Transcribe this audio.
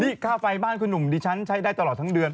นี่ค่าไฟบ้านคุณหนุ่มดิฉันใช้ได้ตลอดทั้งเดือน